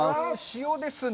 塩ですね？